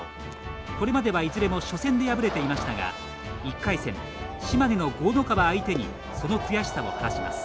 これまではいずれも初戦で敗れていましたが１回戦島根の江の川相手にその悔しさを晴らします。